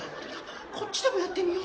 こっちでもやってみよう